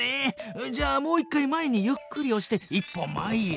じゃあもう一回前にゆっくりおして一歩前へ。